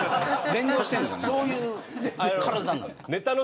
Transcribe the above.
そういう体なの。